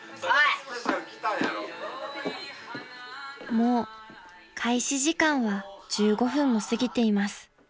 ［もう開始時間は１５分も過ぎています］